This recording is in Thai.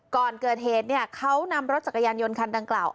ก่อนเกิดเหตุเขานำรถจักรยานยนต์คันดังกล่าว